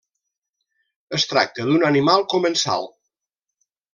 Es tracta d'un animal comensal.